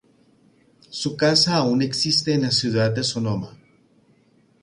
Su casa aún existe en la ciudad de Sonoma.